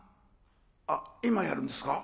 「あっ今やるんですか？